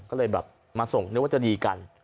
ก็เลยแบบมาส่งนึกว่าจะดีกัน